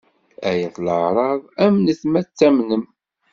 Ay at leɛraḍ! Amnet ma ad tamnem.